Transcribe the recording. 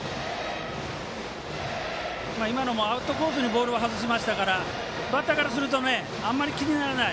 今のもアウトコースにボールを外しましたからバッターからするとあまり気にならない。